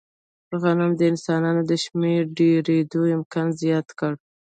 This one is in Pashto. غنم د انسانانو د شمېر ډېرېدو امکان زیات کړ.